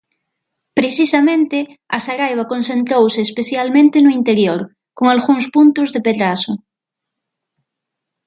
Precisamente, a saraiba concentrouse especialmente no interior, con algúns puntos de pedrazo.